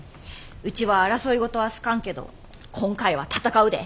ウチは争い事は好かんけど今回は闘うで。